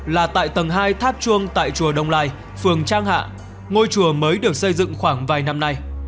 là tại tầng hai tháp chuông tại chùa đông lai phường trang hạ ngôi chùa mới được xây dựng khoảng vài năm nay